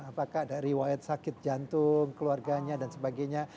apakah dari riwayat sakit jantung keluarganya dan sebagainya